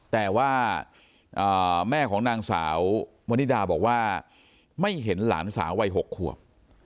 แต่ว่าแม่ของนางสาวมณิดาบอกว่าไม่เห็นหลานสาววัย๖ขวบ